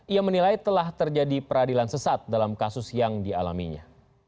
ia menilai telah terjadi peradilan sesat dalam kasus yang dialaminya